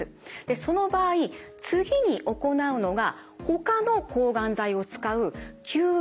その場合次に行うのがほかの抗がん剤を使う救援